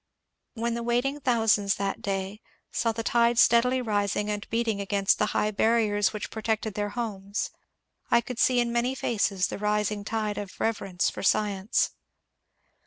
When the waiting thousands saw that day the great 364 MONCURE DANIEL OONWAT tide steadily rising and beating against the high barriers which protected their homes, I could see in many faces the rising tide of reverence for science.